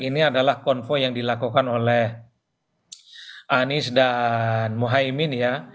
ini adalah konvoy yang dilakukan oleh anies dan muhaymin ya